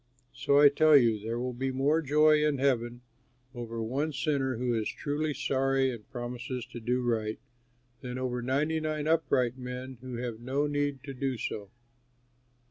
So, I tell you, there will be more joy in heaven over one sinner who is truly sorry and promises to do right than over ninety nine upright men who have no need to do so.